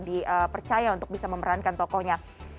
dipercaya untuk bisa memerankan tokohnya